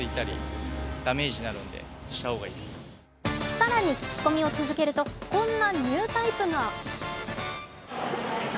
更に聞き込みを続けるとこんなニュータイプが。